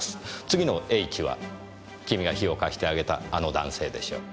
次のＨは君が火を貸してあげたあの男性でしょう。